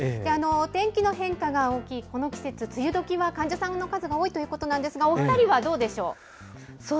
天気の変化が大きいこの季節、梅雨時は患者さんの数が多いということなんですが、お２人はどうでしょう？